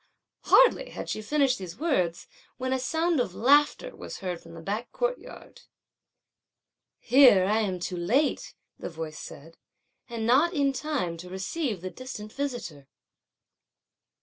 Hardly had she finished these words, when a sound of laughter was heard from the back courtyard. "Here I am too late!" the voice said, "and not in time to receive the distant visitor!"